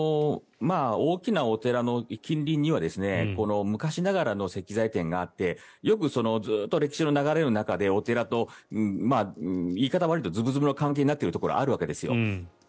大きなお寺の近隣には昔ながらの石材店があってよく歴史の流れの中でお寺と言い方は悪いけどずぶずぶの関係になっているところは多いわけですよ。